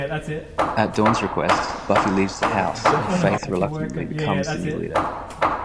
At Dawn's request, Buffy leaves the house and Faith reluctantly becomes the new leader.